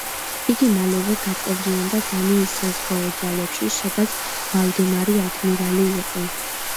იგი მალევე გაწევრიანდა დანიის საზღვაო ძალებში, სადაც ვალდემარი ადმირალი იყო.